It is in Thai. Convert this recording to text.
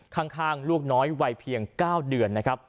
ข้างลูกน้อยวัยเพียง๙เดือนนะครับ